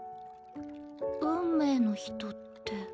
運命の人って。